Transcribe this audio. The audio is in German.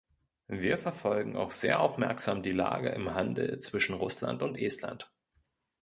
Wir verfolgen auch sehr aufmerksam die Lage im Handel zwischen Russland und Estland.